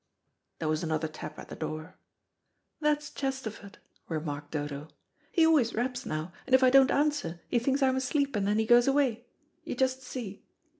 There was another tap at the door. "That's Chesterford," remarked Dodo, "he always raps now, and if I don't answer he thinks I'm asleep, and then he goes away. You just see."